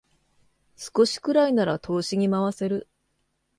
少しくらいなら投資に回せる